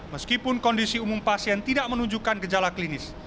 meskipun kondisi umum pasien tidak menunjukkan gejala klinis